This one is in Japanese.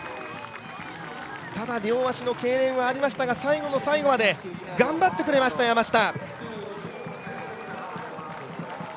ただ両足のけいれんはありましたが、最後の最後まで頑張ってくれました、山下。